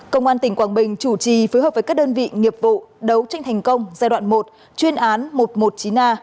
công an tỉnh quảng bình chủ trì phối hợp với các đơn vị nghiệp vụ đấu tranh thành công giai đoạn một chuyên án một trăm một mươi chín a